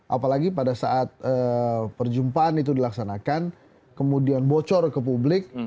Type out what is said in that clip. apalagi pada saat perjumpaan itu dilaksanakan kemudian bocor ke publik